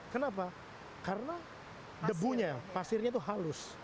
kenapa karena debunya pasirnya itu halus